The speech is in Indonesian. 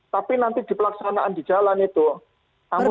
tapi nanti di pelaksanaan di jalan itu tamu tamu nanti